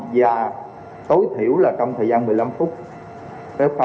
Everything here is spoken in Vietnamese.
và tối thiểu là trong thời gian một mươi năm phút với f